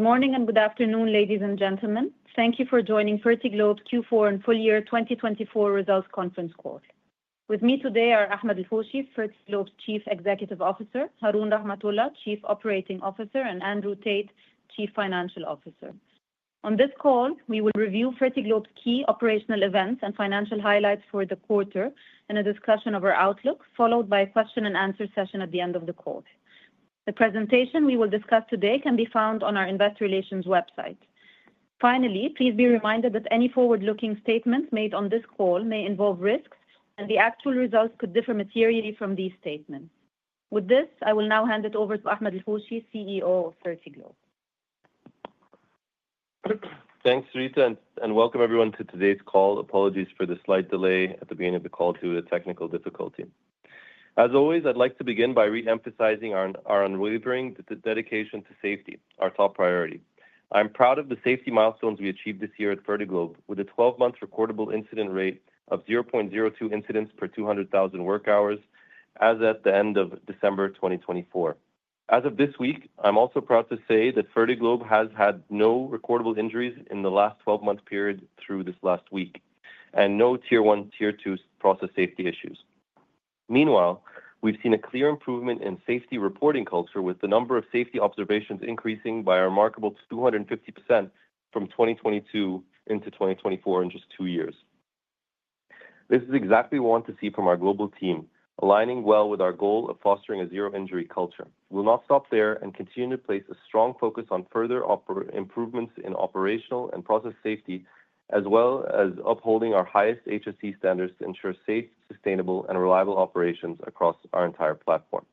Good morning and good afternoon, ladies and gentlemen. Thank you for joining Fertiglobe Q4 and full year 2024 Results Conference Call. With me today are Ahmed El-Hoshy, Fertiglobe's Chief Executive Officer, Haroon Rahmathulla, Chief Operating Officer, and Andrew Tait, Chief Financial Officer. On this call, we will review Fertiglobe's key operational events and financial highlights for the quarter in a discussion of our outlook, followed by a question-and-answer session at the end of the call. The presentation we will discuss today can be found on our Investor Relations website. Finally, please be reminded that any forward-looking statements made on this call may involve risks, and the actual results could differ materially from these statements. With this, I will now hand it over to Ahmed El-Hoshy, CEO of Fertiglobe. Thanks, Rita, and welcome everyone to today's call. Apologies for the slight delay at the beginning of the call due to technical difficulty. As always, I'd like to begin by re-emphasizing our unwavering dedication to safety, our top priority. I'm proud of the safety milestones we achieved this year at Fertiglobe, with a 12-month recordable incident rate of 0.02 incidents per 200,000 work hours as of the end of December 2024. As of this week, I'm also proud to say that Fertiglobe has had no recordable injuries in the last 12-month period through this last week, and no Tier 1, Tier 2 process safety issues. Meanwhile, we've seen a clear improvement in safety reporting culture, with the number of safety observations increasing by a remarkable 250% from 2022 into 2024 in just two years. This is exactly what we want to see from our global team, aligning well with our goal of fostering a zero-injury culture. We'll not stop there and continue to place a strong focus on further improvements in operational and process safety, as well as upholding our highest HSE standards to ensure safe, sustainable, and reliable operations across our entire platform.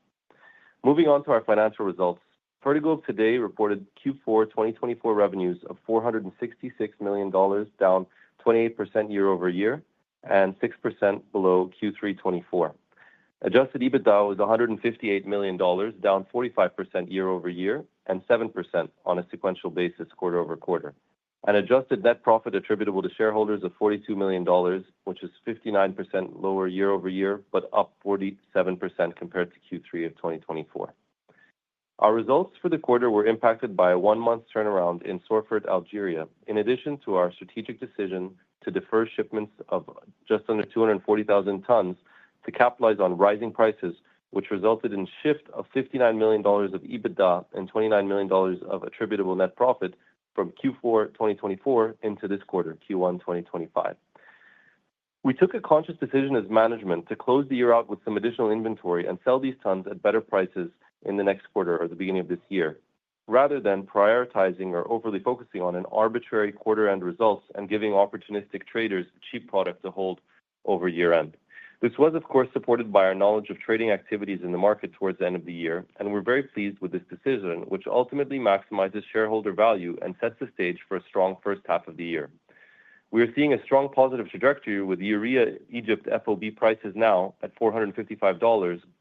Moving on to our financial results, Fertiglobe today reported Q4 2024 revenues of $466 million, down 28% year-over-year and 6% below Q3 2024. Adjusted EBITDA was $158 million, down 45% year-over-year and 7% on a sequential basis quarter-over-quarter, and adjusted net profit attributable to shareholders of $42 million, which is 59% lower year-over-year but up 47% compared to Q3 of 2024. Our results for the quarter were impacted by a one-month turnaround in Sorfert, Algeria, in addition to our strategic decision to defer shipments of just under 240,000 tons to capitalize on rising prices, which resulted in a shift of $59 million of EBITDA and $29 million of attributable net profit from Q4 2024 into this quarter, Q1 2025. We took a conscious decision as management to close the year out with some additional inventory and sell these tons at better prices in the next quarter or the beginning of this year, rather than prioritizing or overly focusing on an arbitrary quarter-end results and giving opportunistic traders cheap product to hold over year-end. This was, of course, supported by our knowledge of trading activities in the market towards the end of the year, and we're very pleased with this decision, which ultimately maximizes shareholder value and sets the stage for a strong first half of the year. We are seeing a strong positive trajectory with urea Egypt FOB prices now at $455,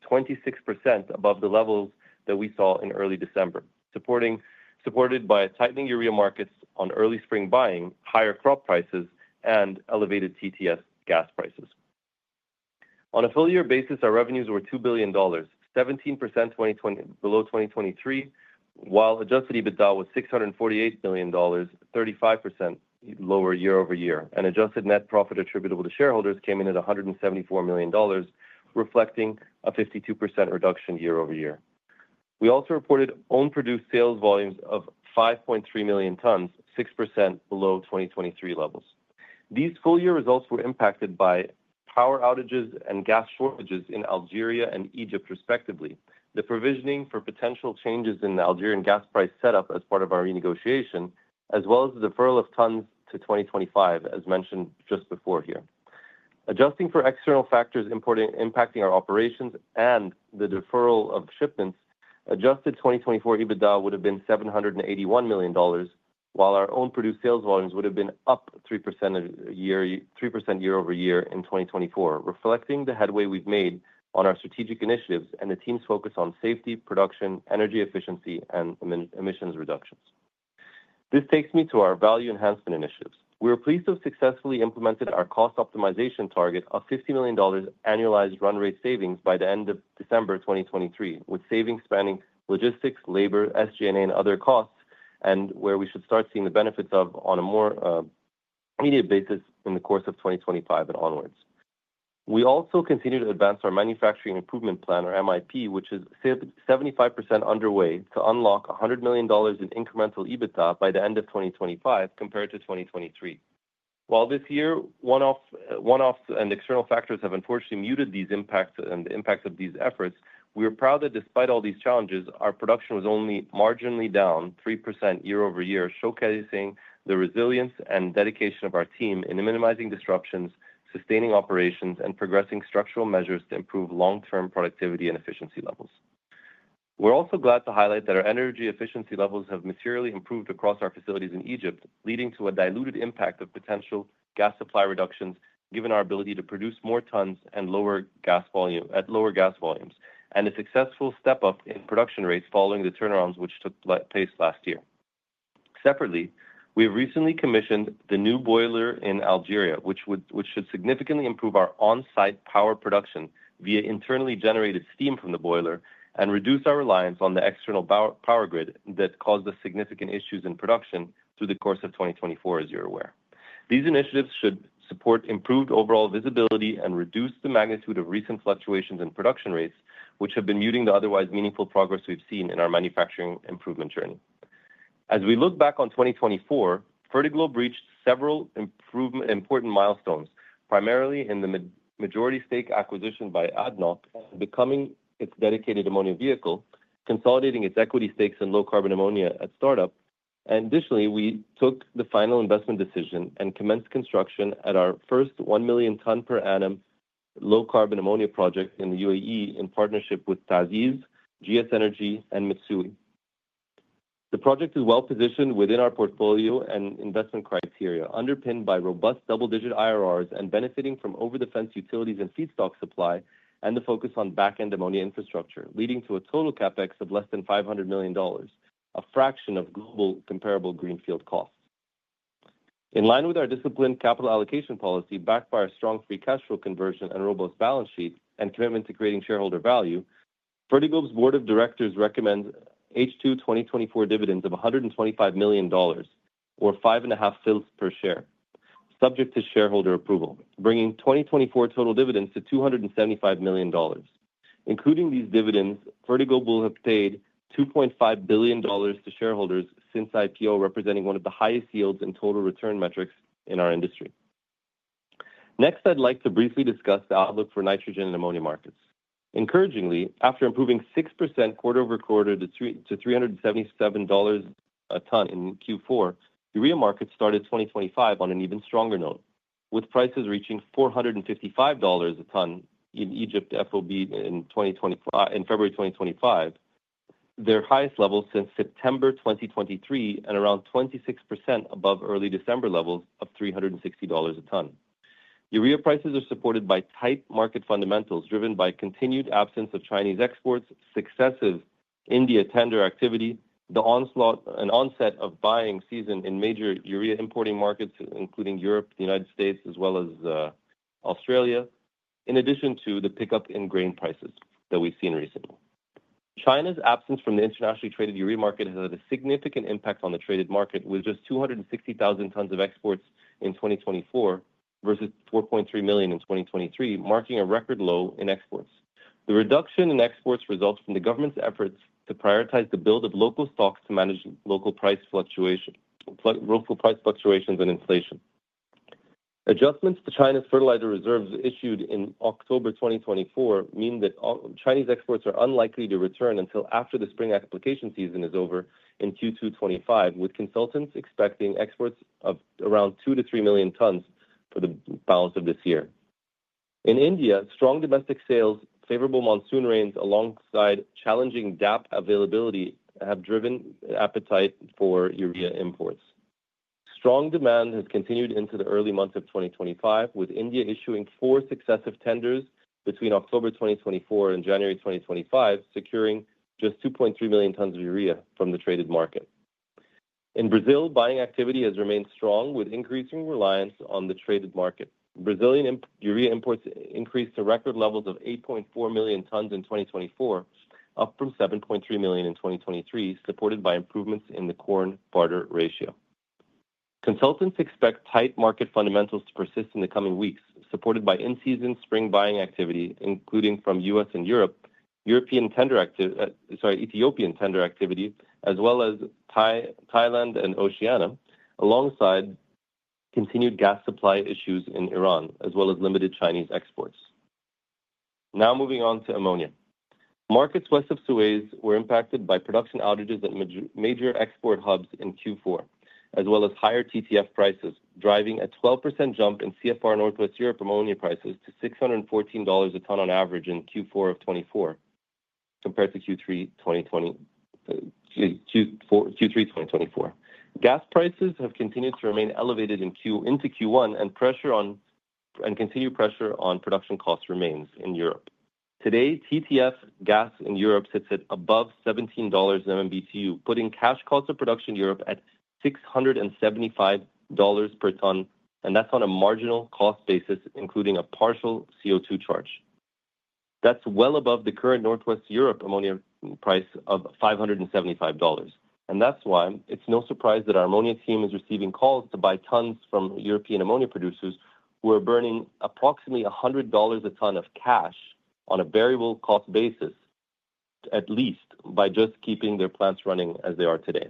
26% above the levels that we saw in early December, supported by tightening urea markets on early spring buying, higher crop prices, and elevated TTF gas prices. On a full-year basis, our revenues were $2 billion, 17% below 2023, while adjusted EBITDA was $648 million, 35% lower year-over-year, and adjusted net profit attributable to shareholders came in at $174 million, reflecting a 52% reduction year-over-year. We also reported own-produced sales volumes of 5.3 million tons, 6% below 2023 levels. These full-year results were impacted by power outages and gas shortages in Algeria and Egypt, respectively, the provisioning for potential changes in the Algerian gas price setup as part of our renegotiation, as well as the deferral of tons to 2025, as mentioned just before here. Adjusting for external factors impacting our operations and the deferral of shipments, adjusted 2024 EBITDA would have been $781 million, while our own-produced sales volumes would have been up 3% year-over-year in 2024, reflecting the headway we've made on our strategic initiatives and the team's focus on safety, production, energy efficiency, and emissions reductions. This takes me to our value enhancement initiatives. We are pleased to have successfully implemented our cost optimization target of $50 million annualized run rate savings by the end of December 2023, with savings spanning logistics, labor, SG&A, and other costs, and where we should start seeing the benefits of on a more immediate basis in the course of 2025 and onwards. We also continue to advance our Manufacturing Improvement Plan, or MIP, which is 75% underway to unlock $100 million in incremental EBITDA by the end of 2025 compared to 2023. While this year one-offs and external factors have unfortunately muted these impacts and the impacts of these efforts, we are proud that despite all these challenges, our production was only marginally down 3% year-over-year, showcasing the resilience and dedication of our team in minimizing disruptions, sustaining operations, and progressing structural measures to improve long-term productivity and efficiency levels. We're also glad to highlight that our energy efficiency levels have materially improved across our facilities in Egypt, leading to a diluted impact of potential gas supply reductions, given our ability to produce more tons and lower gas volumes, and a successful step-up in production rates following the turnarounds which took place last year. Separately, we have recently commissioned the new boiler in Algeria, which should significantly improve our on-site power production via internally generated steam from the boiler and reduce our reliance on the external power grid that caused the significant issues in production through the course of 2024, as you're aware. These initiatives should support improved overall visibility and reduce the magnitude of recent fluctuations in production rates, which have been muting the otherwise meaningful progress we've seen in our manufacturing improvement journey. As we look back on 2024, Fertiglobe reached several important milestones, primarily in the majority stake acquisition by ADNOC, becoming its dedicated ammonia vehicle, consolidating its equity stakes in low-carbon ammonia at startup. Additionally, we took the final investment decision and commenced construction at our first one million ton per annum low-carbon ammonia project in the UAE in partnership with TA'ZIZ, GS Energy, and Mitsui. The project is well-positioned within our portfolio and investment criteria, underpinned by robust double-digit IRRs and benefiting from over-the-fence utilities and feedstock supply and the focus on back-end ammonia infrastructure, leading to a total CapEx of less than $500 million, a fraction of global comparable greenfield costs. In line with our disciplined capital allocation policy backed by our strong free cash flow conversion and robust balance sheet and commitment to creating shareholder value, Fertiglobe's board of directors recommends H2 2024 dividends of $125 million, or five and a half fils per share, subject to shareholder approval, bringing 2024 total dividends to $275 million. Including these dividends, Fertiglobe will have paid $2.5 billion to shareholders since IPO, representing one of the highest yields and total return metrics in our industry. Next, I'd like to briefly discuss the outlook for nitrogen and ammonia markets. Encouragingly, after improving 6% quarter-over-quarter to $377 a ton in Q4, urea markets started 2025 on an even stronger note, with prices reaching $455 a ton in Egypt FOB in February 2025, their highest level since September 2023 and around 26% above early December levels of $360 a ton. Urea prices are supported by tight market fundamentals driven by continued absence of Chinese exports, successive India tender activity, the onset of buying season in major Urea importing markets, including Europe, the United States, as well as Australia, in addition to the pickup in grain prices that we've seen recently. China's absence from the internationally traded Urea market has had a significant impact on the traded market, with just 260,000 tons of exports in 2024 versus 4.3 million in 2023, marking a record low in exports. The reduction in exports results from the government's efforts to prioritize the build of local stocks to manage local price fluctuations and inflation. Adjustments to China's fertilizer reserves issued in October 2024 mean that Chinese exports are unlikely to return until after the spring application season is over in Q2 2025, with consultants expecting exports of around 2 to 3 million tons for the balance of this year. In India, strong domestic sales, favorable monsoon rains, alongside challenging DAP availability, have driven appetite for urea imports. Strong demand has continued into the early months of 2025, with India issuing four successive tenders between October 2024 and January 2025, securing just 2.3 million tons of urea from the traded market. In Brazil, buying activity has remained strong, with increasing reliance on the traded market. Brazilian urea imports increased to record levels of 8.4 million tons in 2024, up from 7.3 million in 2023, supported by improvements in the corn barter ratio. Consultants expect tight market fundamentals to persist in the coming weeks, supported by in-season spring buying activity, including from U.S. and European, Ethiopian tender activity, as well as Thailand and Oceania, alongside continued gas supply issues in Iran, as well as limited Chinese exports. Now moving on to ammonia. Markets west of Suez were impacted by production outages at major export hubs in Q4, as well as higher TTF prices, driving a 12% jump in CFR Northwest Europe ammonia prices to $614 a ton on average in Q4 of 2024 compared to Q3 2024. Gas prices have continued to remain elevated into Q1, and continued pressure on production costs remains in Europe. Today, TTF gas in Europe sits at above $17 MMBTU, putting cash cost of production in Europe at $675 per ton, and that's on a marginal cost basis, including a partial CO2 charge. That's well above the current Northwest Europe ammonia price of $575. And that's why it's no surprise that our ammonia team is receiving calls to buy tons from European ammonia producers who are burning approximately $100 a ton of cash on a variable cost basis, at least by just keeping their plants running as they are today.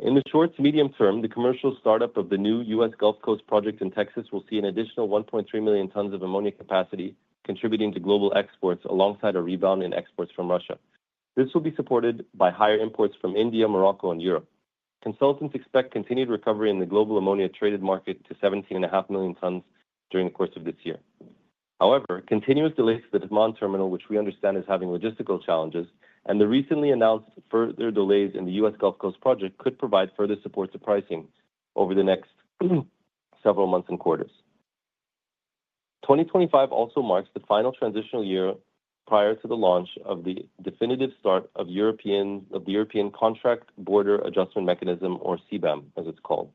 In the short to medium term, the commercial startup of the new U.S. Gulf Coast project in Texas will see an additional 1.3 million tons of ammonia capacity contributing to global exports alongside a rebound in exports from Russia. This will be supported by higher imports from India, Morocco, and Europe. Consultants expect continued recovery in the global ammonia traded market to 17.5 million tons during the course of this year. However, continuous delays at the Taman terminal, which we understand is having logistical challenges, and the recently announced further delays in the U.S. Gulf Coast project could provide further support to pricing over the next several months and quarters. 2025 also marks the final transitional year prior to the launch of the definitive start of the European Carbon Border Adjustment Mechanism, or CBAM, as it's called.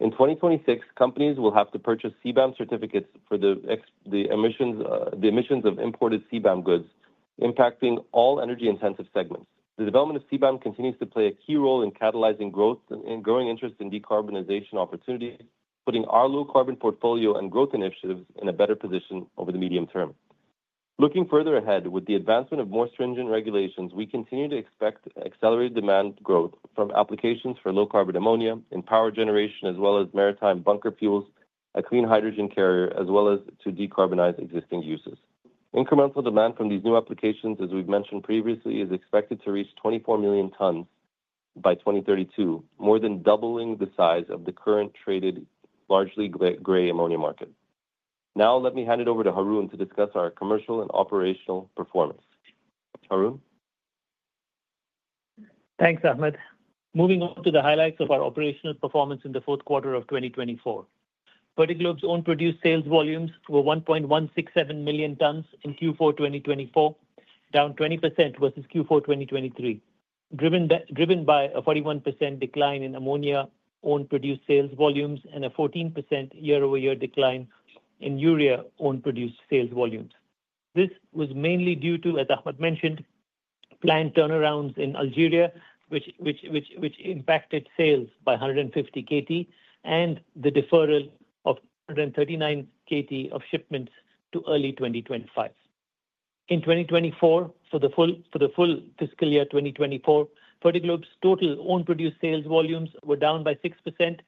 In 2026, companies will have to purchase CBAM certificates for the emissions of imported CBAM goods, impacting all energy-intensive segments. The development of CBAM continues to play a key role in catalyzing growth and growing interest in decarbonization opportunities, putting our low-carbon portfolio and growth initiatives in a better position over the medium term. Looking further ahead with the advancement of more stringent regulations, we continue to expect accelerated demand growth from applications for low-carbon ammonia in power generation, as well as maritime bunker fuels, a clean hydrogen carrier, as well as to decarbonize existing uses. Incremental demand from these new applications, as we've mentioned previously, is expected to reach 24 million tons by 2032, more than doubling the size of the current traded largely gray ammonia market. Now, let me hand it over to Haroon to discuss our commercial and operational performance. Haroon. Thanks, Ahmed. Moving on to the highlights of our operational performance in the Q4 of 2024. Fertiglobe's own-produced sales volumes were 1.167 million tons in Q4 2024, down 20% versus Q4 2023, driven by a 41% decline in ammonia own-produced sales volumes and a 14% year-over-year decline in urea own-produced sales volumes. This was mainly due to, as Ahmed mentioned, planned turnarounds in Algeria, which impacted sales by 150 kt and the deferral of 139 kt of shipments to early 2025. In 2024, for the full fiscal year 2024, Fertiglobe's total own-produced sales volumes were down by 6%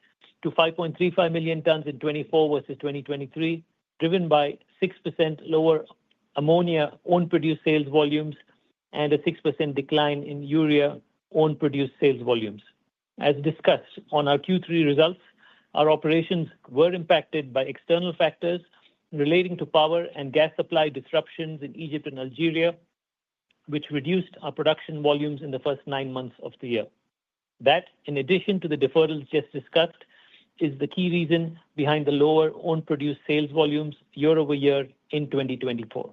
to 5.35 million tons in 24 versus 2023, driven by 6% lower ammonia own-produced sales volumes and a 6% decline in urea own-produced sales volumes. As discussed on our Q3 results, our operations were impacted by external factors relating to power and gas supply disruptions in Egypt and Algeria, which reduced our production volumes in the first nine months of the year. That, in addition to the deferrals just discussed, is the key reason behind the lower own-produced sales volumes year-over-year in 2024.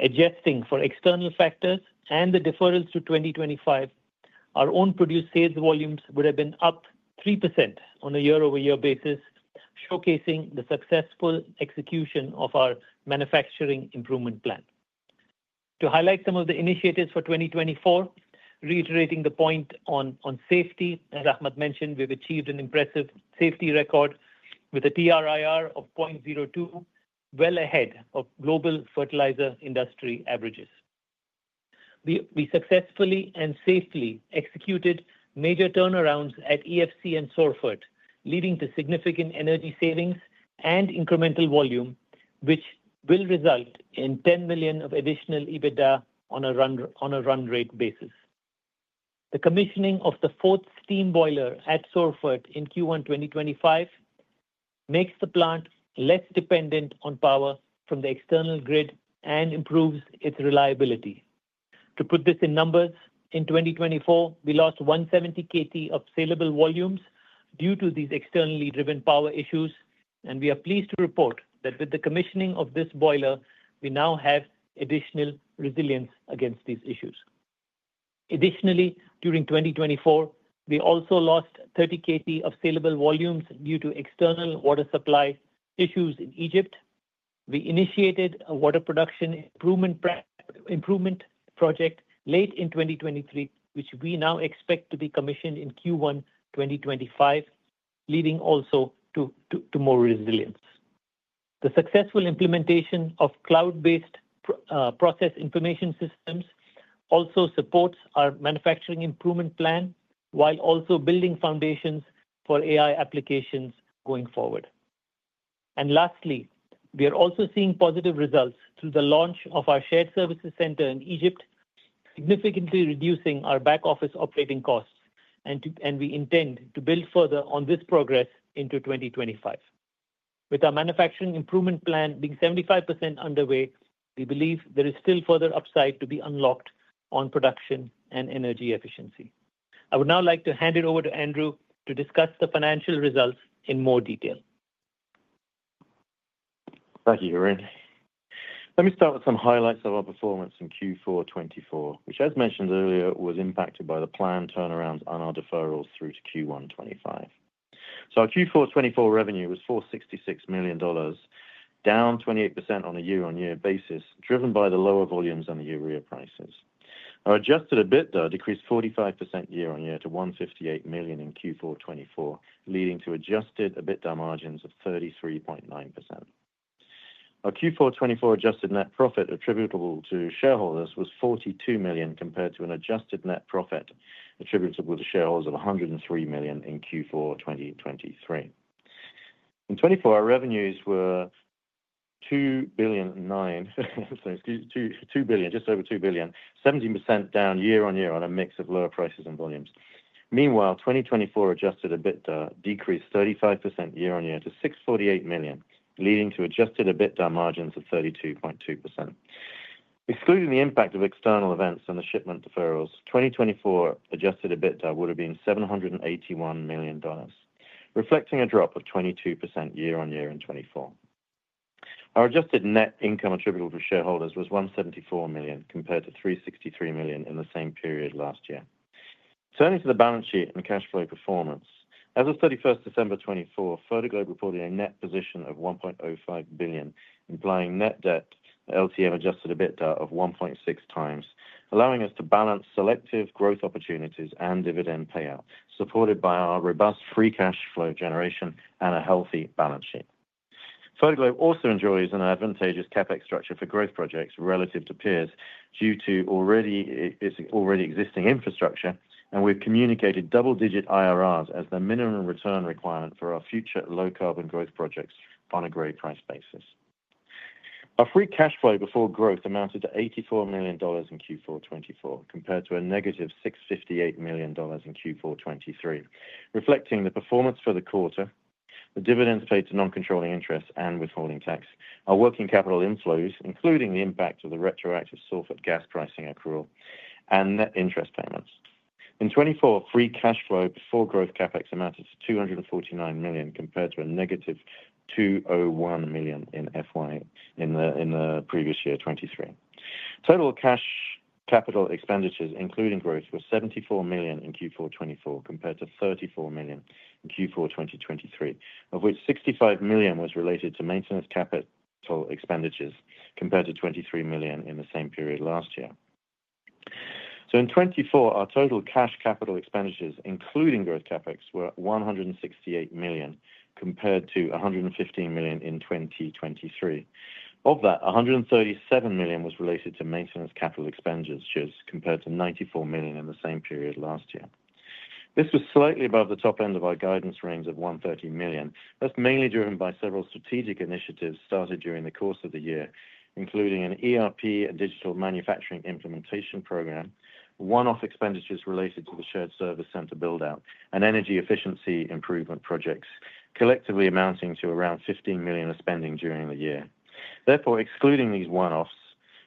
Adjusting for external factors and the deferrals to 2025, our own-produced sales volumes would have been up 3% on a year-over-year basis, showcasing the successful execution of our Manufacturing Improvement Plan. To highlight some of the initiatives for 2024, reiterating the point on safety, as Ahmed mentioned, we've achieved an impressive safety record with a TRIR of 0.02, well ahead of global fertilizer industry averages. We successfully and safely executed major turnarounds at EFC and Sorfert, leading to significant energy savings and incremental volume, which will result in $10 million of additional EBITDA on a run rate basis. The commissioning of the fourth steam boiler at Sorfert in Q1 2025 makes the plant less dependent on power from the external grid and improves its reliability. To put this in numbers, in 2024, we lost 170 kt of saleable volumes due to these externally driven power issues, and we are pleased to report that with the commissioning of this boiler, we now have additional resilience against these issues. Additionally, during 2024, we also lost 30 kt of saleable volumes due to external water supply issues in Egypt. We initiated a water production improvement project late in 2023, which we now expect to be commissioned in Q1 2025, leading also to more resilience. The successful implementation of cloud-based process information systems also supports our Manufacturing Improvement Plan while also building foundations for AI applications going forward, and lastly, we are also seeing positive results through the launch of our shared services center in Egypt, significantly reducing our back office operating costs, and we intend to build further on this progress into 2025. With our Manufacturing Improvement Plan being 75% underway, we believe there is still further upside to be unlocked on production and energy efficiency. I would now like to hand it over to Andrew to discuss the financial results in more detail. Thank you, Haroon. Let me start with some highlights of our performance in Q4 2024, which, as mentioned earlier, was impacted by the planned turnarounds on our Deferrals through to Q1 2025. Our Q4 2024 revenue was $466 million, down 28% on a year-on-year basis, driven by the lower volumes and the urea prices. Our Adjusted EBITDA decreased 45% year-on-year to $158 million in Q4 2024, leading to Adjusted EBITDA margins of 33.9%. Our Q4 2024 adjusted net profit attributable to shareholders was $42 million compared to an adjusted net profit attributable to shareholders of $103 million in Q4 2023. In 2024, our revenues were $2.9 billion, just over $2 billion, 17% down year-on-year on a mix of lower prices and volumes. Meanwhile, 2024 Adjusted EBITDA decreased 35% year-on-year to $648 million, leading to Adjusted EBITDA margins of 32.2%. Excluding the impact of external events on the shipment deferrals, 2024 Adjusted EBITDA would have been $781 million, reflecting a drop of 22% year-on-year in 2024. Our adjusted net income attributable to shareholders was $174 million compared to $363 million in the same period last year. Turning to the balance sheet and cash flow performance, as of 31st December 2024, Fertiglobe reported a net position of $1.05 billion, implying net debt, LTM Adjusted EBITDA of 1.6 times, allowing us to balance selective growth opportunities and dividend payout, supported by our robust free cash flow generation and a healthy balance sheet. Fertiglobe also enjoys an advantageous CapEx structure for growth projects relative to peers due to its already existing infrastructure, and we've communicated double-digit IRRs as the minimum return requirement for our future low-carbon growth projects on a gray price basis. Our free cash flow before growth amounted to $84 million in Q4 2024 compared to a -$658 million in Q4 2023, reflecting the performance for the quarter, the dividends paid to non-controlling interest and withholding tax, our working capital inflows, including the impact of the retroactive Sorfert gas pricing accrual, and net interest payments. In 2024, free cash flow before growth CapEx amounted to $249 million compared to a -$201 million in FY in the previous year, 2023. Total cash capital expenditures, including growth, were $74 million in Q4 2024 compared to $34 million in Q4 2023, of which $65 million was related to maintenance capital expenditures compared to $23 million in the same period last year, so in 2024, our total cash capital expenditures, including growth CapEx, were $168 million compared to $115 million in 2023. Of that, $137 million was related to maintenance capital expenditures compared to $94 million in the same period last year. This was slightly above the top end of our guidance range of $130 million, that's mainly driven by several strategic initiatives started during the course of the year, including an ERP and digital manufacturing implementation program, one-off expenditures related to the shared service center build-out, and energy efficiency improvement projects, collectively amounting to around $15 million of spending during the year. Therefore, excluding these one-offs,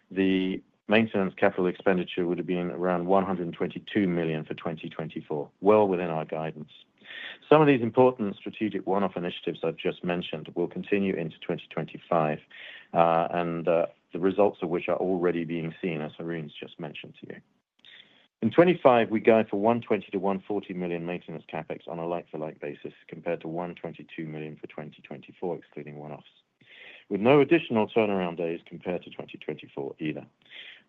the maintenance capital expenditure would have been around $122 million for 2024, well within our guidance. Some of these important strategic one-off initiatives I've just mentioned will continue into 2025, and the results of which are already being seen, as Haroon's just mentioned to you. In 2025, we guide for $120-$140 million maintenance CapEx on a like-for-like basis compared to $122 million for 2024, excluding one-offs, with no additional turnaround days compared to 2024 either.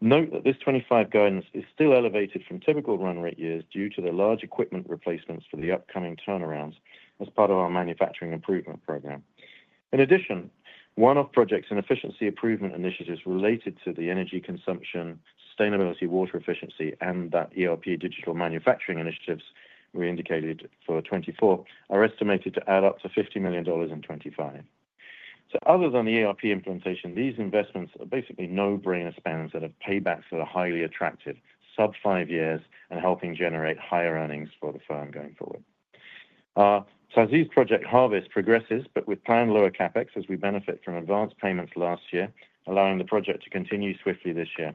Note that this 2025 guidance is still elevated from typical run rate years due to the large equipment replacements for the upcoming turnarounds as part of our manufacturing improvement program. In addition, one-off projects and efficiency improvement initiatives related to the energy consumption, sustainability, water efficiency, and that ERP digital manufacturing initiatives we indicated for 2024 are estimated to add up to $50 million in 2025. Other than the ERP implementation, these investments are basically no-brainer spend in terms of paybacks that are highly attractive, sub five years, and helping generate higher earnings for the firm going forward. As these projects progress, but with planned lower CapEx as we benefit from advanced payments last year, allowing the project to continue swiftly this year.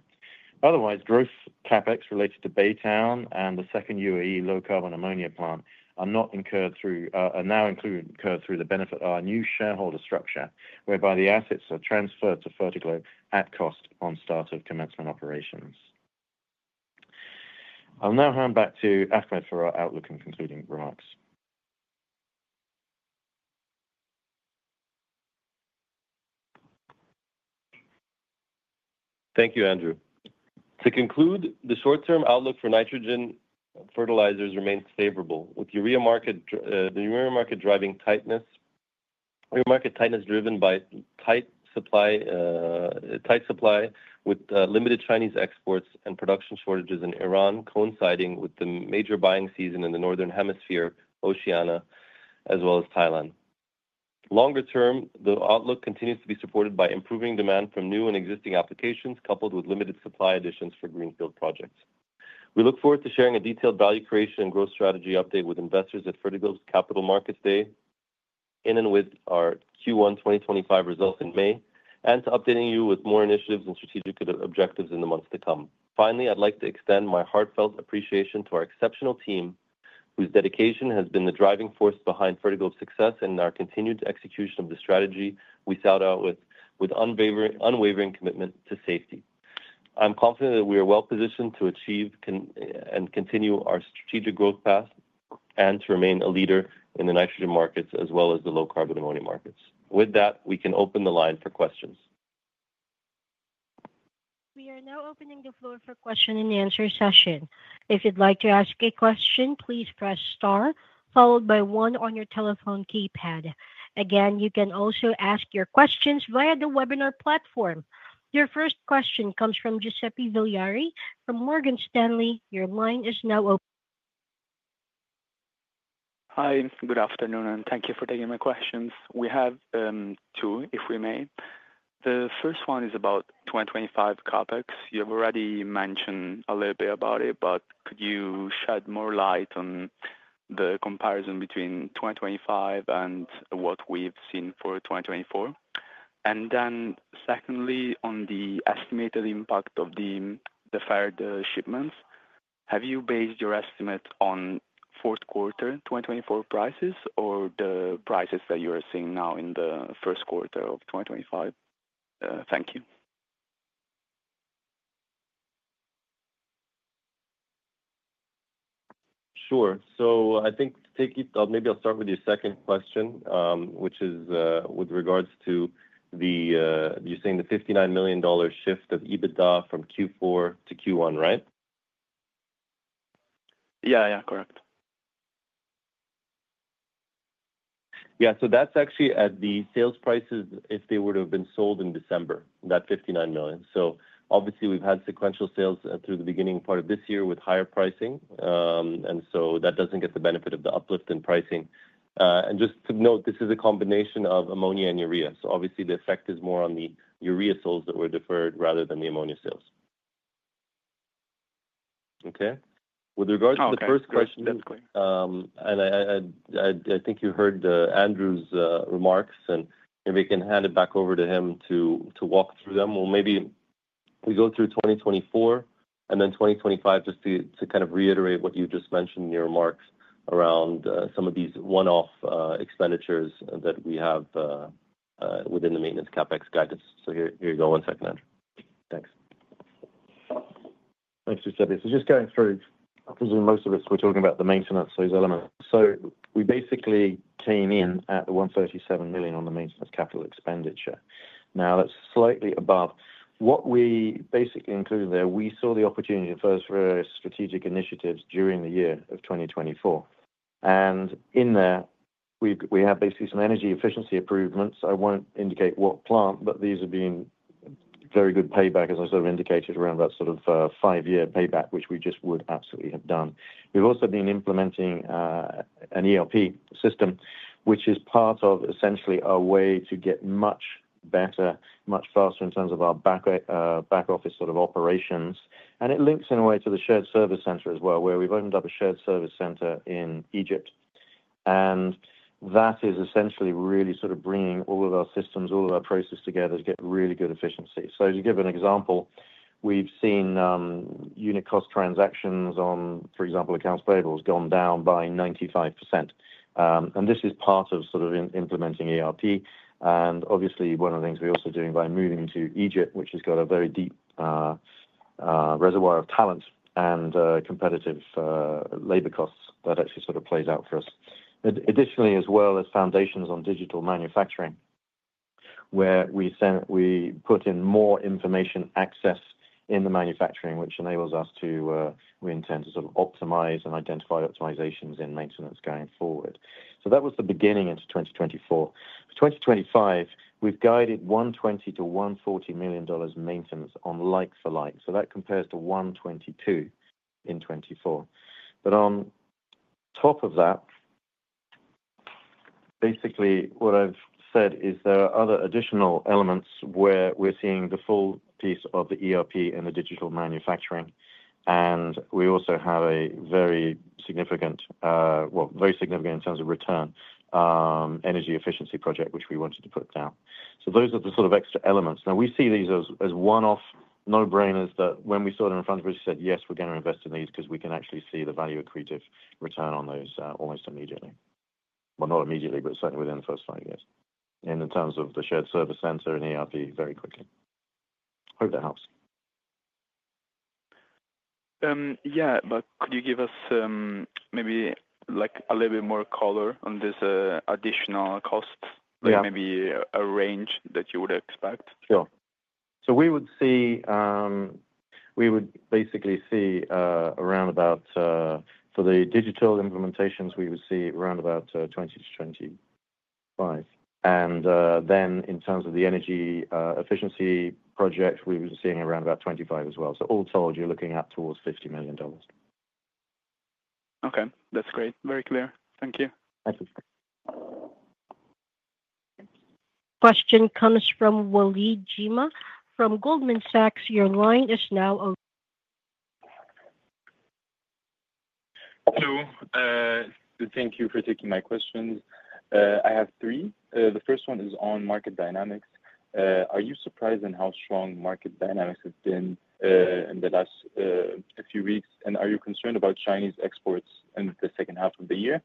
Otherwise, growth CapEx related to Baytown and the second UAE low-carbon ammonia plant are now incurred through the benefit of our new shareholder structure, whereby the assets are transferred to Fertiglobe at cost on start of commencement operations. I'll now hand back to Ahmed for our outlook and concluding remarks. Thank you, Andrew. To conclude, the short-term outlook for nitrogen fertilizers remains favorable, with the urea market driving tightness driven by tight supply with limited Chinese exports and production shortages in Iran coinciding with the major buying season in the northern hemisphere, Oceania, as well as Thailand. Longer term, the outlook continues to be supported by improving demand from new and existing applications coupled with limited supply additions for greenfield projects. We look forward to sharing a detailed value creation and growth strategy update with investors at Fertiglobe's Capital Markets Day in and with our Q1 2025 results in May and to updating you with more initiatives and strategic objectives in the months to come. Finally, I'd like to extend my heartfelt appreciation to our exceptional team, whose dedication has been the driving force behind Fertiglobe's success and our continued execution of the strategy we sought out with unwavering commitment to safety. I'm confident that we are well positioned to achieve and continue our strategic growth path and to remain a leader in the nitrogen markets as well as the low-carbon ammonia markets. With that, we can open the line for questions. We are now opening the floor for question and answer session. If you'd like to ask a question, please press star followed by one on your telephone keypad. Again, you can also ask your questions via the webinar platform. Your first question comes from Giuseppe Villari from Morgan Stanley. Your line is now open. Hi, good afternoon, and thank you for taking my questions. We have two, if we may. The first one is about 2025 CapEx. You've already mentioned a little bit about it, but could you shed more light on the comparison between 2025 and what we've seen for 2024? And then secondly, on the estimated impact of the deferred shipments, have you based your estimate on Q4 2024 prices or the prices that you are seeing now in the first quarter of 2025? Thank you. Sure. So I think maybe I'll start with your second question, which is with regards to the – you're saying the $59 million shift of EBITDA from Q4 to Q1, right? Yeah, yeah, correct. Yeah, so that's actually at the sales prices if they were to have been sold in December, that $59 million. So obviously, we've had sequential sales through the beginning part of this year with higher pricing, and so that doesn't get the benefit of the uplift in pricing. Just to note, this is a combination of ammonia and urea. So obviously, the effect is more on the urea cells that were deferred rather than the ammonia sales. Okay. With regards to the first question, and I think you heard Andrew's remarks, and if we can hand it back over to him to walk through them. Well, maybe we go through 2024 and then 2025 just to kind of reiterate what you just mentioned in your remarks around some of these one-off expenditures that we have within the maintenance CapEx guidance. So here you go, one second, Andrew. Thanks. Thanks, Giuseppe. Just going through, I presume most of us were talking about the maintenance, those elements. So we basically came in at the $137 million on the maintenance capital expenditure. Now, that's slightly above. What we basically included there, we saw the opportunity for various strategic initiatives during the year of 2024, and in there, we have basically some energy efficiency improvements. I won't indicate what plant, but these have been very good payback, as I sort of indicated around that sort of five-year payback, which we just would absolutely have done. We've also been implementing an ERP system, which is part of essentially a way to get much better, much faster in terms of our back office sort of operations, and it links in a way to the shared service center as well, where we've opened up a shared service center in Egypt, and that is essentially really sort of bringing all of our systems, all of our process together to get really good efficiency. So to give an example, we've seen unit cost transactions on, for example, accounts payables gone down by 95%. And this is part of sort of implementing ERP. And obviously, one of the things we're also doing by moving to Egypt, which has got a very deep reservoir of talent and competitive labor costs, that actually sort of plays out for us. Additionally, as well as foundations on digital manufacturing, where we put in more information access in the manufacturing, which enables us to, we intend to sort of optimize and identify optimizations in maintenance going forward. So that was the beginning into 2024. For 2025, we've guided $120-$140 million maintenance on like-for-like. So that compares to $122 in 2024. But on top of that, basically, what I've said is there are other additional elements where we're seeing the full piece of the ERP and the digital manufacturing. We also have a very significant, well, very significant in terms of return energy efficiency project, which we wanted to put down. So those are the sort of extra elements. Now, we see these as one-off no-brainers that when we saw them in front of us, we said, "Yes, we're going to invest in these because we can actually see the value accretive return on those almost immediately." Well, not immediately, but certainly within the first five years. And in terms of the shared service center and ERP, very quickly. Hope that helps. Yeah, but could you give us maybe a little bit more color on this additional cost, maybe a range that you would expect? Sure. So we would basically see around about $20-$25 for the digital implementations. And then in terms of the energy efficiency project, we were seeing around about $25 as well. So all told, you're looking at towards $50 million. Okay. That's great. Very clear. Thank you. Thank you. Question comes from Waleed Jimma from Goldman Sachs. Your line is now open. Hello. Thank you for taking my questions. I have three. The first one is on market dynamics. Are you surprised in how strong market dynamics have been in the last few weeks? And are you concerned about Chinese exports in the second half of the year?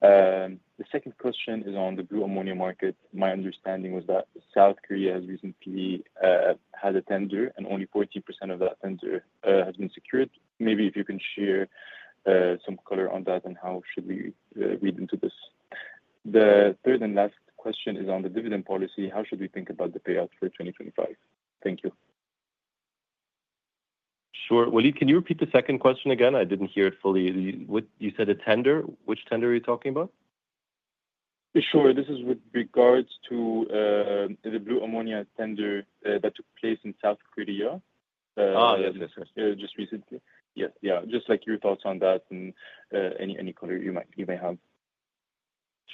The second question is on the blue ammonia market. My understanding was that South Korea has recently had a tender, and only 14% of that tender has been secured. Maybe if you can share some color on that and how should we read into this? The third and last question is on the dividend policy. How should we think about the payout for 2025? Thank you. Sure. Waleed, can you repeat the second question again? I didn't hear it fully. You said a tender. Which tender are you talking about? Sure. This is with regards to the blue ammonia tender that took place in South Korea. Oh, yes, yes, yes. Just recently. Yes. Yeah. Just like your thoughts on that and any color you may have.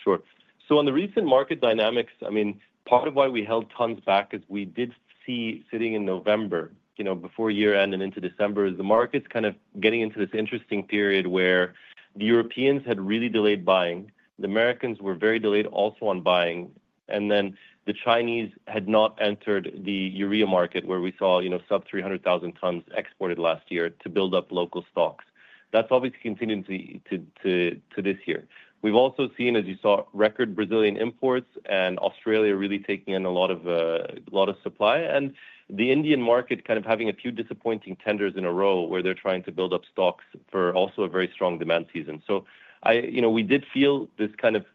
Sure. So on the recent market dynamics, I mean, part of why we held tons back is we did see sitting in November, before year-end and into December, is the markets kind of getting into this interesting period where the Europeans had really delayed buying. The Americans were very delayed also on buying. And then the Chinese had not entered the urea market where we saw sub 300,000 tons exported last year to build up local stocks. That's obviously continued to this year. We've also seen, as you saw, record Brazilian imports and Australia really taking in a lot of supply and the Indian market kind of having a few disappointing tenders in a row where they're trying to build up stocks for also a very strong demand season. So we did feel this kind of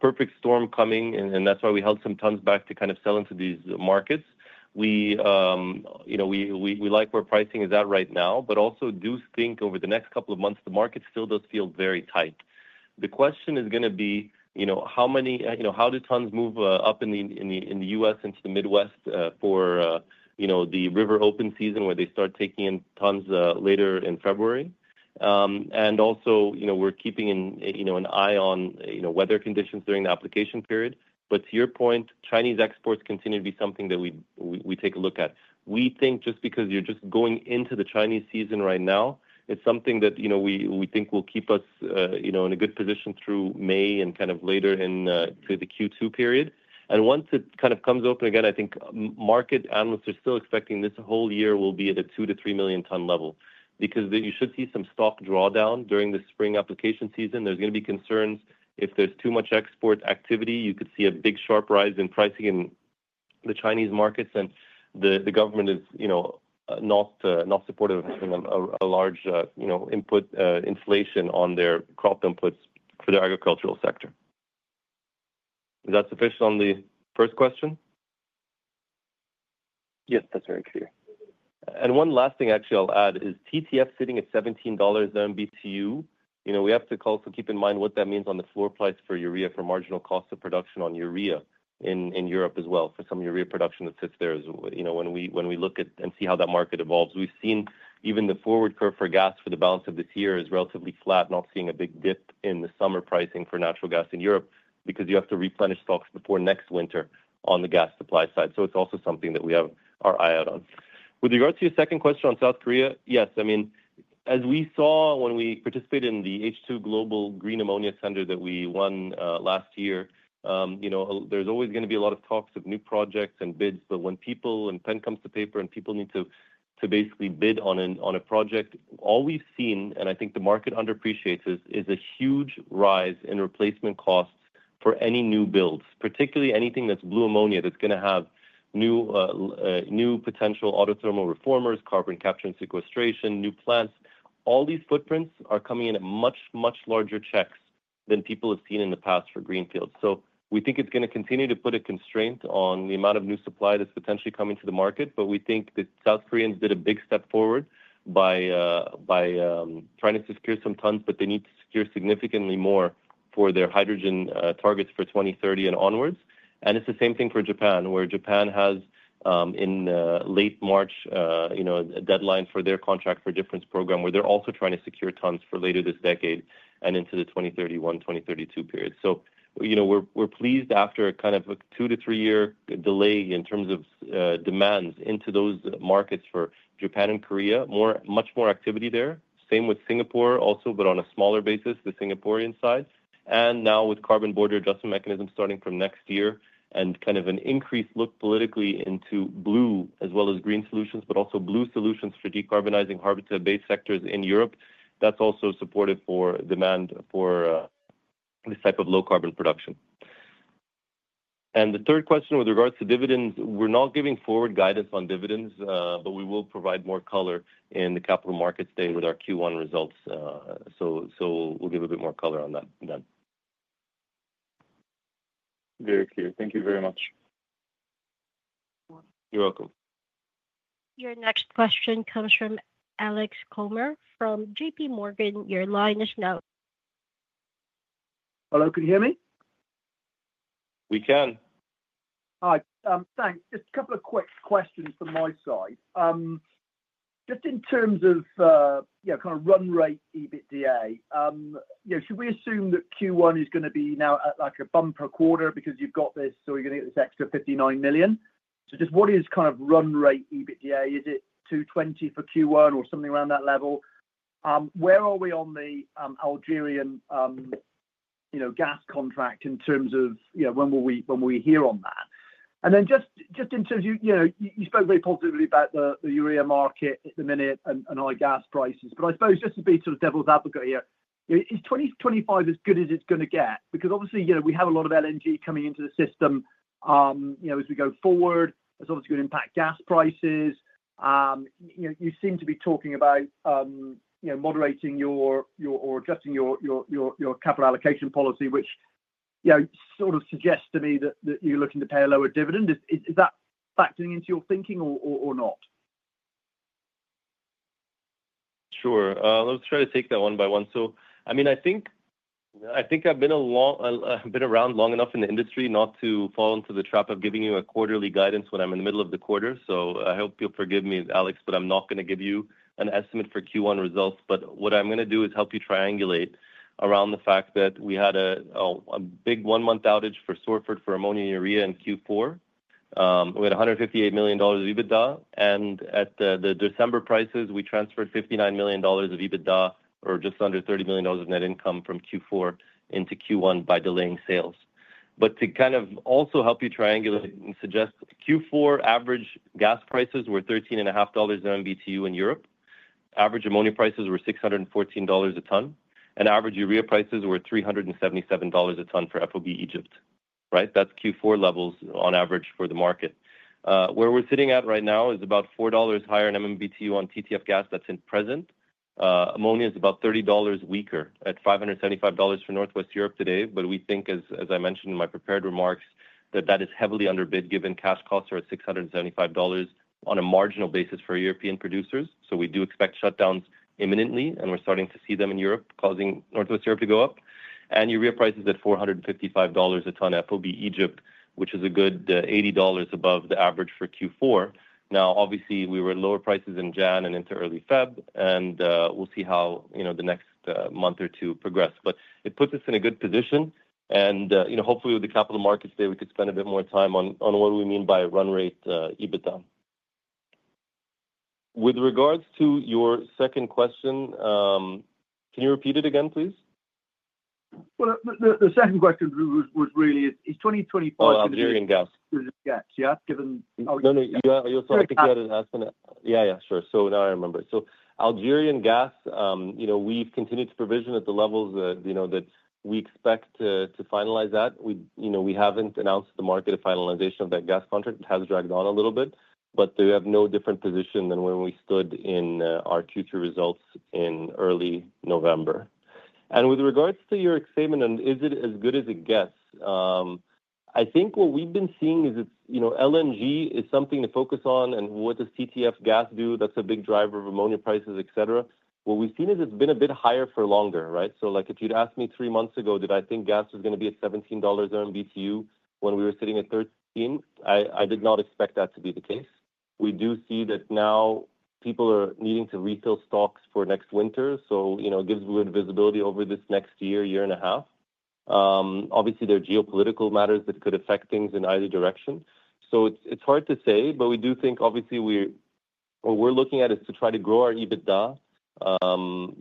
perfect storm coming, and that's why we held some tons back to kind of sell into these markets. We like where pricing is at right now, but also do think over the next couple of months, the market still does feel very tight. The question is going to be, how do tons move up in the U.S. into the Midwest for the river open season where they start taking in tons later in February? And also, we're keeping an eye on weather conditions during the application period. But to your point, Chinese exports continue to be something that we take a look at. We think just because you're just going into the Chinese season right now, it's something that we think will keep us in a good position through May and kind of later into the Q2 period. And once it kind of comes open again, I think market analysts are still expecting this whole year will be at a two to three million ton level because you should see some stock drawdown during the spring application season. There's going to be concerns if there's too much export activity. You could see a big sharp rise in pricing in the Chinese markets, and the government is not supportive of having a large input inflation on their crop inputs for the agricultural sector. Is that sufficient on the first question? Yes, that's very clear. And one last thing, actually. I'll add is TTF sitting at $17 MMBTU. We have to also keep in mind what that means on the floor price for urea for marginal cost of production on urea in Europe as well for some urea production that sits there when we look at and see how that market evolves. We've seen even the forward curve for gas for the balance of this year is relatively flat, not seeing a big dip in the summer pricing for natural gas in Europe because you have to replenish stocks before next winter on the gas supply side. So it's also something that we have our eye out on. With regards to your second question on South Korea, yes. I mean, as we saw when we participated in the H2Global Green Ammonia Tender that we won last year, there's always going to be a lot of talks of new projects and bids. But when people put pen to paper and people need to basically bid on a project, all we've seen, and I think the market underappreciates, is a huge rise in replacement costs for any new builds, particularly anything that's blue ammonia that's going to have new potential autothermal reformers, carbon capture and sequestration, new plants. All these footprints are coming in at much, much larger checks than people have seen in the past for greenfields. So we think it's going to continue to put a constraint on the amount of new supply that's potentially coming to the market. But we think the South Koreans did a big step forward by trying to secure some tons, but they need to secure significantly more for their hydrogen targets for 2030 and onwards. And it's the same thing for Japan, where Japan has in late March a deadline for their contract for difference program, where they're also trying to secure tons for later this decade and into the 2031, 2032 period. So we're pleased after kind of a two-to-three-year delay in terms of demands into those markets for Japan and Korea, much more activity there. Same with Singapore also, but on a smaller basis, the Singaporean side. And now with Carbon Border Adjustment Mechanisms starting from next year and kind of an increased look politically into blue as well as green solutions, but also blue solutions for decarbonizing harbor-based sectors in Europe. That's also supportive for demand for this type of low carbon production. The third question with regards to dividends, we're not giving forward guidance on dividends, but we will provide more color in the Capital Markets Day with our Q1 results. So we'll give a bit more color on that then. Very clear. Thank you very much. You're welcome. Your next question comes from Alex Comer from JPMorgan. Your line is now. Hello. Can you hear me? We can. Hi. Thanks. Just a couple of quick questions from my side. Just in terms of kind of run rate EBITDA, should we assume that Q1 is going to be now at like a bumper quarter because you've got this or you're going to get this extra $59 million? So just what is kind of run rate EBITDA? Is it $220 for Q1 or something around that level? Where are we on the Algerian gas contract in terms of when will we hear on that? And then just in terms of you spoke very positively about the urea market at the minute and high gas prices. But I suppose just to be sort of devil's advocate here, is 2025 as good as it's going to get? Because obviously, we have a lot of LNG coming into the system as we go forward. It's obviously going to impact gas prices. You seem to be talking about moderating or adjusting your capital allocation policy, which sort of suggests to me that you're looking to pay a lower dividend. Is that factoring into your thinking or not? Sure. Let's try to take that one by one. So I mean, I think I've been around long enough in the industry not to fall into the trap of giving you a quarterly guidance when I'm in the middle of the quarter. So I hope you'll forgive me, Alex, but I'm not going to give you an estimate for Q1 results. But what I'm going to do is help you triangulate around the fact that we had a big one-month outage for Sorfert for ammonia and urea in Q4. We had $158 million of EBITDA. And at the December prices, we transferred $59 million of EBITDA or just under $30 million of net income from Q4 into Q1 by delaying sales. But to kind of also help you triangulate and suggest Q4 average gas prices were $13.50/MMBTU in Europe. Average ammonia prices were $614 a ton. And average urea prices were $377 a ton for EBIC Egypt. Right? That's Q4 levels on average for the market. Where we're sitting at right now is about $4 higher in MMBTU on TTF gas that's at present. Ammonia is about $30 weaker at $575 for Northwest Europe today, but we think, as I mentioned in my prepared remarks, that that is heavily underbid given cash costs are at $675 on a marginal basis for European producers, so we do expect shutdowns imminently, and we're starting to see them in Europe causing Northwest Europe to go up, and urea prices at $455 a ton at FOB Egypt, which is a good $80 above the average for Q4. Now, obviously, we were at lower prices in Jan and into early Feb, and we'll see how the next month or two progress, but it puts us in a good position. Hopefully, with the capital markets today, we could spend a bit more time on what we mean by run rate EBITDA. With regards to your second question, can you repeat it again, please? Well, the second question was really 2025. Oh, Algerian gas. Yeah? Given Algerian. No, no. Sorry. I think you had it right. Yeah. Sure. So now I remember. So Algerian gas, we've continued to provision at the levels that we expect to finalize that. We haven't announced to the market the finalization of that gas contract. It has dragged on a little bit, but we have no different position than when we stood in our Q2 results in early November. With regards to your excitement, and is it as good as it gets? I think what we've been seeing is LNG is something to focus on, and what does TTF gas do? That's a big driver of ammonia prices, etc. What we've seen is it's been a bit higher for longer, right? So if you'd asked me three months ago, did I think gas was going to be at $17 MMBTU when we were sitting at 13? I did not expect that to be the case. We do see that now people are needing to refill stocks for next winter. So it gives good visibility over this next year, year and a half. Obviously, there are geopolitical matters that could affect things in either direction. So it's hard to say, but we do think, obviously, what we're looking at is to try to grow our EBITDA from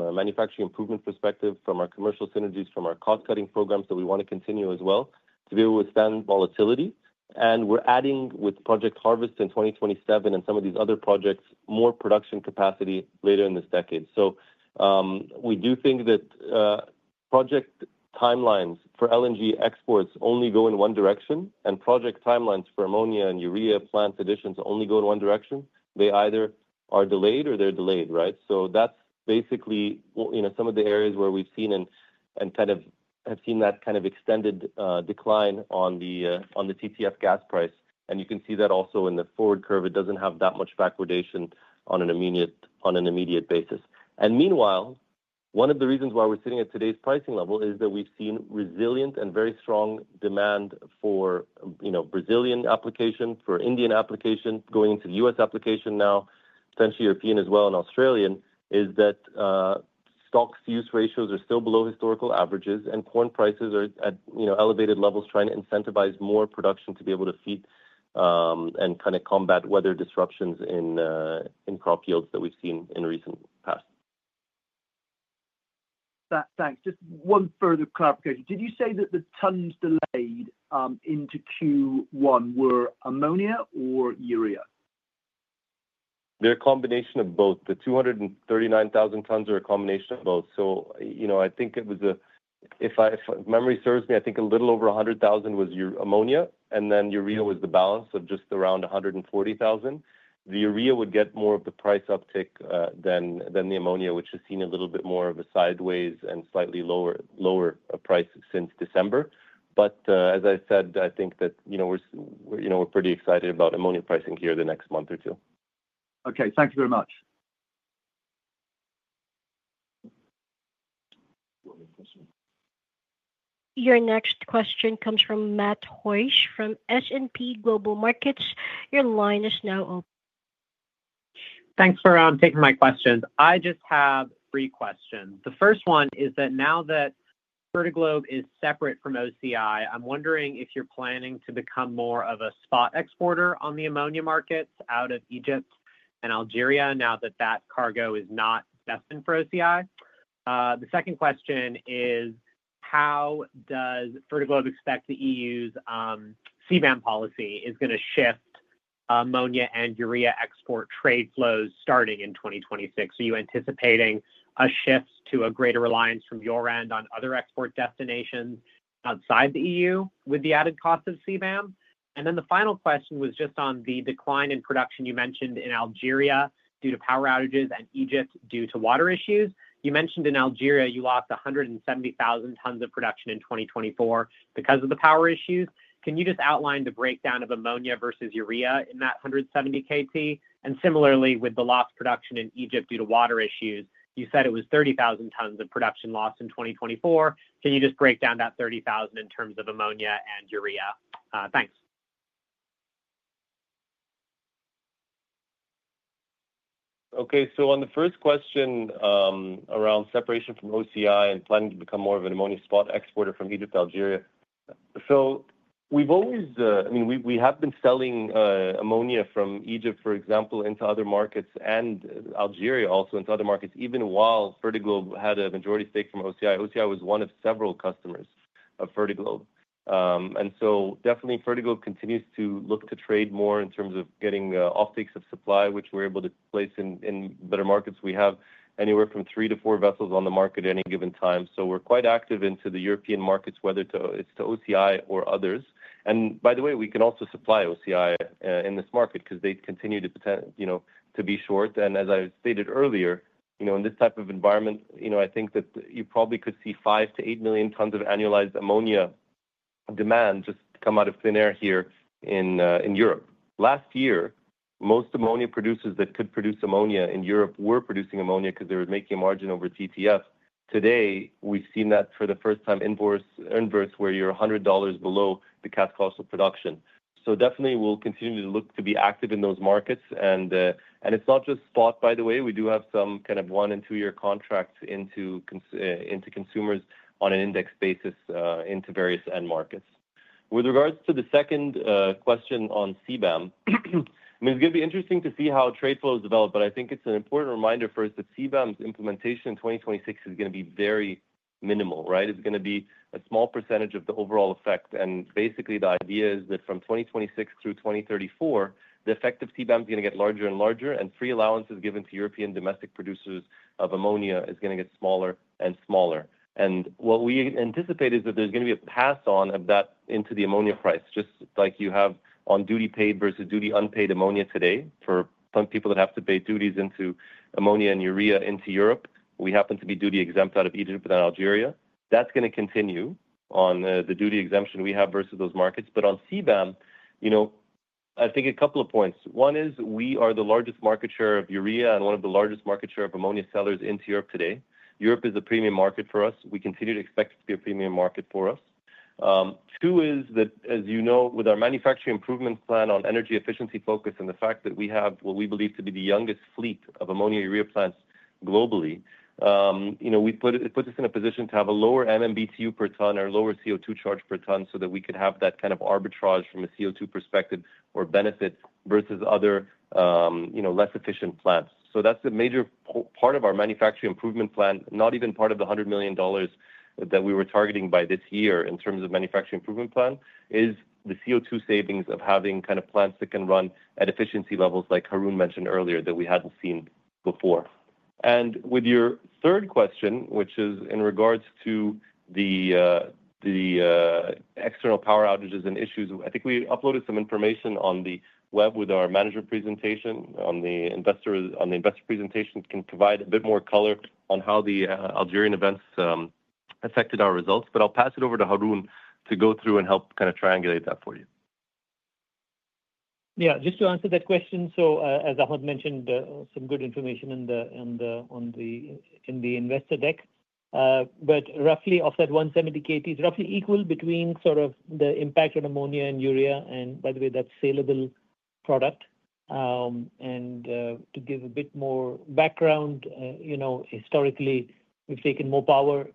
a manufacturing improvement perspective, from our commercial synergies, from our cost-cutting programs that we want to continue as well to be able to withstand volatility. We're adding, with Project Harvest in 2027 and some of these other projects, more production capacity later in this decade. We do think that project timelines for LNG exports only go in one direction, and project timelines for ammonia and urea plant additions only go in one direction. They either are delayed or they're delayed, right? That's basically some of the areas where we've seen and kind of have seen that kind of extended decline on the TTF gas price. You can see that also in the forward curve. It doesn't have that much backwardation on an immediate basis. Meanwhile, one of the reasons why we're sitting at today's pricing level is that we've seen resilient and very strong demand for Brazilian application, for Indian application, going into the U.S. application now, potentially European as well and Australian, is that Stocks-to-use ratios are still below historical averages, and corn prices are at elevated levels trying to incentivize more production to be able to feed and kind of combat weather disruptions in crop yields that we've seen in recent past. Thanks. Just one further clarification. Did you say that the tons delayed into Q1 were ammonia or urea? They're a combination of both. The 239,000 tons are a combination of both. So I think it was, if memory serves me, I think a little over 100,000 was ammonia, and then urea was the balance of just around 140,000. The urea would get more of the price uptick than the ammonia, which has seen a little bit more of a sideways and slightly lower price since December. But as I said, I think that we're pretty excited about ammonia pricing here the next month or two. Okay. Thank you very much. Your next question comes from Matt Hoyt from S&P Global Markets. Your line is now open. Thanks for taking my questions. I just have three questions. The first one is that now that Fertiglobe is separate from OCI, I'm wondering if you're planning to become more of a spot exporter on the ammonia markets out of Egypt and Algeria now that that cargo is not destined for OCI? The second question is, how does Fertiglobe expect the EU's CBAM policy is going to shift ammonia and urea export trade flows starting in 2026? Are you anticipating a shift to a greater reliance from your end on other export destinations outside the EU with the added cost of CBAM? And then the final question was just on the decline in production you mentioned in Algeria due to power outages and Egypt due to water issues. You mentioned in Algeria you lost 170,000 tons of production in 2024 because of the power issues. Can you just outline the breakdown of ammonia versus urea in that 170 kt? And similarly, with the lost production in Egypt due to water issues, you said it was 30,000 tons of production lost in 2024. Can you just break down that 30,000 in terms of ammonia and urea? Thanks. Okay. So on the first question around separation from OCI and planning to become more of an ammonia spot exporter from Egypt, Algeria. So we've always, I mean, we have been selling ammonia from Egypt, for example, into other markets and Algeria also into other markets, even while Fertiglobe had a majority stake from OCI. OCI was one of several customers of Fertiglobe. And so definitely, Fertiglobe continues to look to trade more in terms of getting offtakes of supply, which we're able to place in better markets. We have anywhere from three to four vessels on the market at any given time. So we're quite active into the European markets, whether it's to OCI or others. And by the way, we can also supply OCI in this market because they continue to be short. And as I stated earlier, in this type of environment, I think that you probably could see five to eight million tons of annualized ammonia demand just come out of thin air here in Europe. Last year, most ammonia producers that could produce ammonia in Europe were producing ammonia because they were making a margin over TTF. Today, we've seen that for the first time the inverse where you're $100 below the cash cost of production. So definitely, we'll continue to look to be active in those markets. And it's not just spot, by the way. We do have some kind of one and two-year contracts into consumers on an index basis into various end markets. With regards to the second question on CBAM, I mean, it's going to be interesting to see how trade flows develop, but I think it's an important reminder for us that CBAM's implementation in 2026 is going to be very minimal, right? It's going to be a small percentage of the overall effect. And basically, the idea is that from 2026 through 2034, the effect of CBAM is going to get larger and larger, and free allowances given to European domestic producers of ammonia is going to get smaller and smaller. And what we anticipate is that there's going to be a pass on of that into the ammonia price, just like you have on duty-paid versus duty-unpaid ammonia today for some people that have to pay duties into ammonia and urea into Europe. We happen to be duty-exempt out of Egypt and Algeria. That's going to continue on the duty exemption we have versus those markets. But on CBAM, I think a couple of points. One is we are the largest market share of urea and one of the largest market share of ammonia sellers into Europe today. Europe is a premium market for us. We continue to expect it to be a premium market for us. Two is that, as you know, with our Manufacturing Improvement Plan on energy efficiency focus and the fact that we have what we believe to be the youngest fleet of ammonia urea plants globally, it puts us in a position to have a lower MMBTU per ton or lower CO2 charge per ton so that we could have that kind of arbitrage from a CO2 perspective or benefit versus other less efficient plants. So that's a major part of our Manufacturing Improvement Plan, not even part of the $100 million that we were targeting by this year in terms of Manufacturing Improvement Plan, is the CO2 savings of having kind of plants that can run at efficiency levels like Haroon mentioned earlier that we hadn't seen before. With your third question, which is in regards to the external power outages and issues, I think we uploaded some information on the web with our management presentation and the investor presentation can provide a bit more color on how the Algerian events affected our results. But I'll pass it over to Haroon to go through and help kind of triangulate that for you. Yeah. Just to answer that question, so as Ahmed mentioned, some good information on the investor deck. But roughly off that 170 kt, it's roughly equal between sort of the impact on ammonia and urea. And by the way, that's saleable product. And to give a bit more background, historically, we've taken more power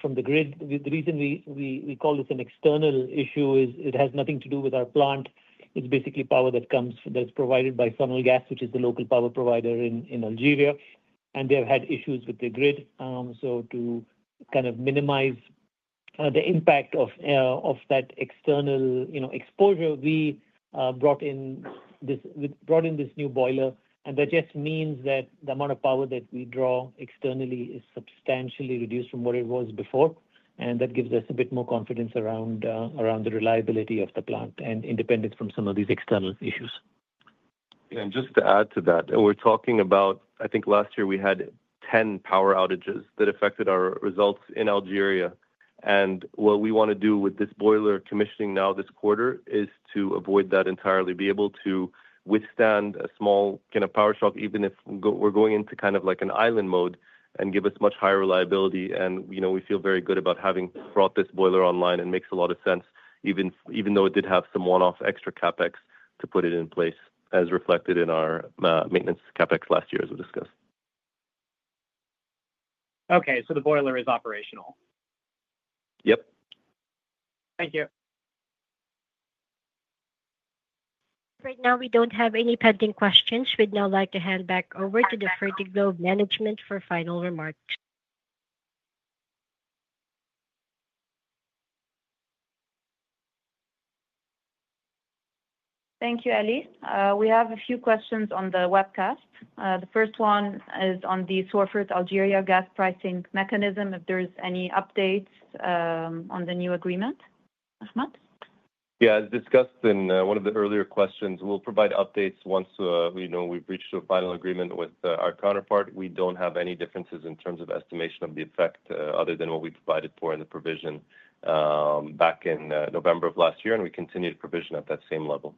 from the grid. The reason we call this an external issue is it has nothing to do with our plant. It's basically power that's provided by Sonelgaz, which is the local power provider in Algeria. And they have had issues with the grid. So to kind of minimize the impact of that external exposure, we brought in this new boiler. And that just means that the amount of power that we draw externally is substantially reduced from what it was before. And that gives us a bit more confidence around the reliability of the plant and independence from some of these external issues. Yeah. And just to add to that, we're talking about, I think last year, we had 10 power outages that affected our results in Algeria. And what we want to do with this boiler commissioning now this quarter is to avoid that entirely, be able to withstand a small kind of power shock, even if we're going into kind of like an island mode and give us much higher reliability. And we feel very good about having brought this boiler online and makes a lot of sense, even though it did have some one-off extra CapEx to put it in place as reflected in our maintenance CapEx last year, as we discussed. Okay. So the boiler is operational. Yep. Thank you. Right now, we don't have any pending questions. We'd now like to hand back over to the Fertiglobe management for final remarks. Thank you, Ali. We have a few questions on the webcast. The first one is on the Sorfert Algeria gas pricing mechanism, if there's any updates on the new agreement. Ahmed? Yeah. As discussed in one of the earlier questions, we'll provide updates once we've reached a final agreement with our counterpart. We don't have any differences in terms of estimation of the effect other than what we provided for in the provision back in November of last year, and we continue to provision at that same level.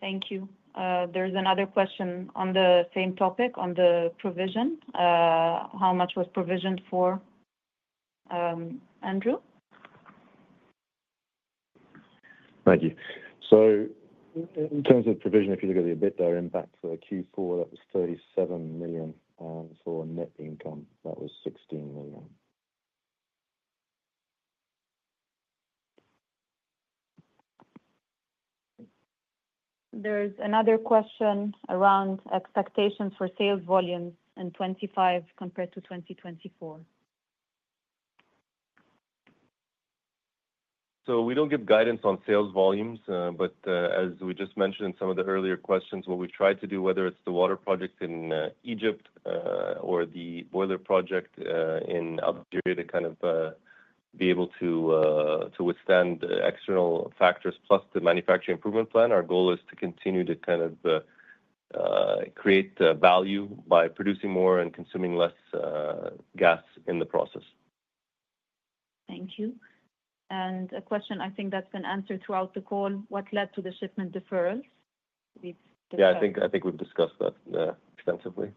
Thank you. There's another question on the same topic on the provision. How much was provisioned for, Andrew? Thank you. So in terms of provision, if you look at the EBITDA impact for Q4, that was $37 million. For net income, that was $16 million. There's another question around expectations for sales volumes in 2025 compared to 2024. So we don't give guidance on sales volumes, but as we just mentioned in some of the earlier questions, what we've tried to do, whether it's the water project in Egypt or the boiler project in Algeria, to kind of be able to withstand external factors plus the Manufacturing Improvement Plan, our goal is to continue to kind of create value by producing more and consuming less gas in the process. Thank you. And a question I think that's been answered throughout the call. What led to the shipment deferrals? Yeah. I think we've discussed that extensively.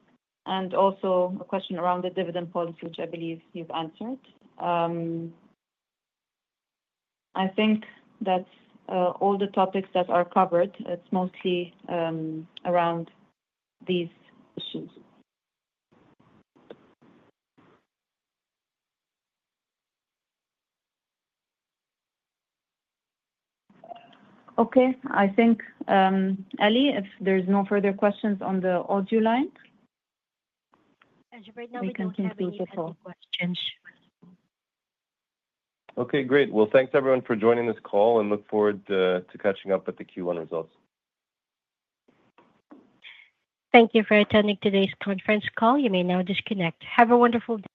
And also a question around the dividend policy, which I believe you've answered. I think that's all the topics that are covered. It's mostly around these issues. Okay. I think, Ali, if there's no further questions on the audio line. And right now, we don't have any further questions. Okay. Great. Thanks everyone for joining this call, and look forward to catching up with the Q1 results. Thank you for attending today's conference call. You may now disconnect. Have a wonderful day.